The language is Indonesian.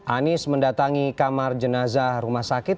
anies mendatangi kamar jenazah rumah sakit